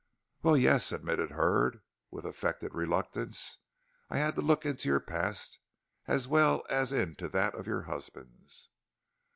"Well, yes," admitted Hurd, with affected reluctance. "I had to look into your past as well as into that of your husband's."